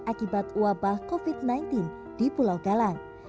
akibat wabah covid sembilan belas di pulau galang